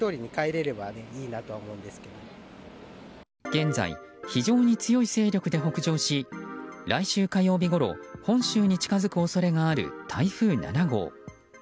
現在、非常に強い勢力で北上し来週火曜日ごろ本州に近づく恐れのある台風７号。